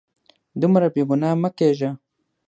دومره بې ګناه مه کیږه